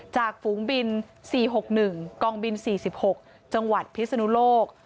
ฝูงบิน๔๖๑กองบิน๔๖จังหวัดพิศนุโลก